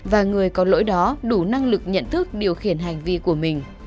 và người có lỗi đó đủ năng lực nhận thức điều khiển hành vi của mình